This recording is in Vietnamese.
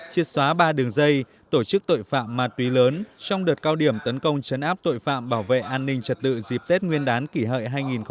chiết xóa ba đường dây tổ chức tội phạm ma túy lớn trong đợt cao điểm tấn công chấn áp tội phạm bảo vệ an ninh trật tự dịp tết nguyên đán kỷ hợi hai nghìn một mươi chín